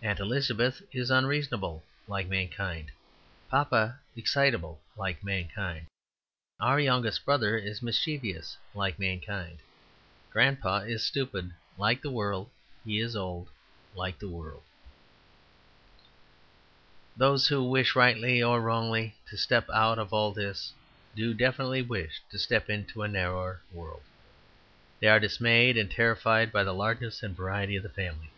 Aunt Elizabeth is unreasonable, like mankind. Papa is excitable, like mankind Our youngest brother is mischievous, like mankind. Grandpapa is stupid, like the world; he is old, like the world. Those who wish, rightly or wrongly, to step out of all this, do definitely wish to step into a narrower world. They are dismayed and terrified by the largeness and variety of the family.